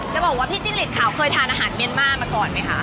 จะบอกว่าพี่จิ้งหลีดขาวเคยทานอาหารเมียนมาร์มาก่อนไหมคะ